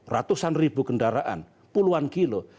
ratusan ribu kendaraan puluhan kilo